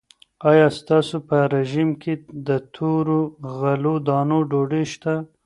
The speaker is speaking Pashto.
آیا ستاسو په رژیم کې د تورو غلو دانو ډوډۍ شته؟